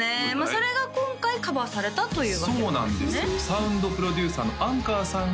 それが今回カバーされたというわけなんですねそうなんですよ